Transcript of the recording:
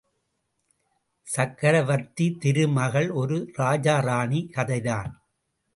சக்ரவர்த்தித் திருமகள் ஒரு ராஜா ராணி கதைதான்.